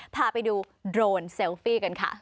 พาไปดูโดรนเซลฟี่กันค่ะ